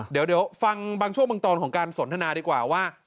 เดี๋ยวฟังบางช่วงบางตอนของการสนทนาดีกว่าว่า